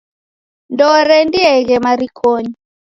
Ndooreendieghe marikonyi.